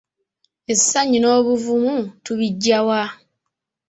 Essanyu n’obuvumu tubiggya wa?